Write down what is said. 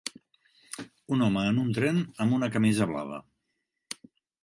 Un home en un tren amb una camisa blava